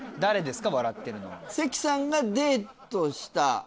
関さんがデートした。